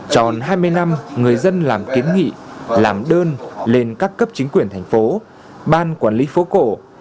tròn hai mươi năm người dân làm kiến nghị làm đơn lên các cấp chính quyền thành phố ban quản lý phố cổ